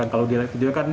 kalau dia lihat video kan